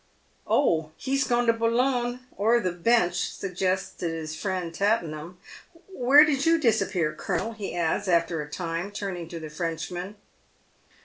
" Oh, he's gone to Boulogne, or the Bench," suggested his friend Tattenham. " Where did you disappear, colonel," he adds, after a time, turning to the Frenchman.